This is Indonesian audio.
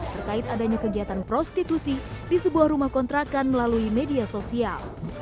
terkait adanya kegiatan prostitusi di sebuah rumah kontrakan melalui media sosial